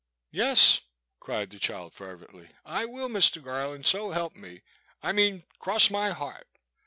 " Yes," cried the child fervently, " I will, Mr. Garland, so help me — I mean, cross my heart